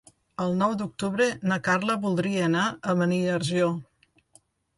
El nou d'octubre na Carla voldria anar a Beniarjó.